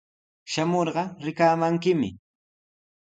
Shamurqa rikamankimi.